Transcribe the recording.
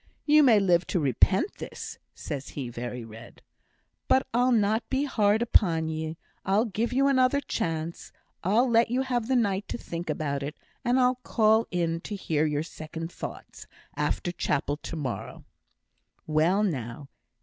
'You may live to repent this,' says he, very red. 'But I'll not be too hard upon ye, I'll give you another chance. I'll let you have the night to think about it, and I'll just call in to hear your second thoughts, after chapel to morrow.' Well now!